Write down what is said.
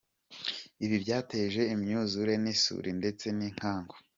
Ibi byateje imyuzure n’isuri ndetse n’inkangu ».